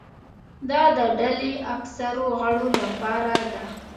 دا د ډلې اکثرو غړو لپاره ده.